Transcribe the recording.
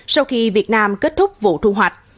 sau khi việt nam kết thúc vụ thu hoạch